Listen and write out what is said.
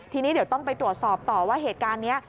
ทีนี้เดี๋ยวต้องไปตรวจสอบต่อว่าเหตุการณ์นี้